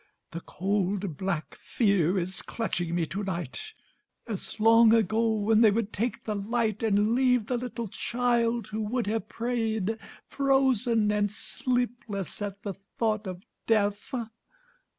The cold black fear is clutching me to night As long ago when they would take the light And leave the little child who would have prayed, Frozen and sleepless at the thought of death.